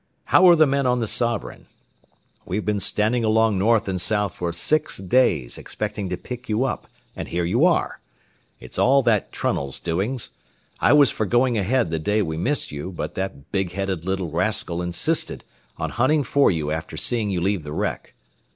"How are the men on the Sovereign? We've been standing along north and south for six days, expecting to pick you up, and here you are. It's all that Trunnell's doings. I was for going ahead the day we missed you, but that big headed little rascal insisted on hunting for you after seeing you leave the wreck.